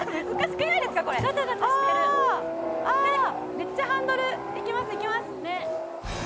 めっちゃハンドルいけますいけます。